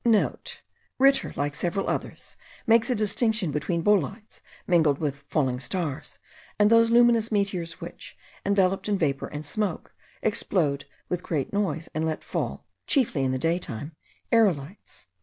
*(* Ritter, like several others, makes a distinction between bolides mingled with falling stars and those luminous meteors which, enveloped in vapour and smoke, explode with great noise, and let fall (chiefly in the day time) aerolites.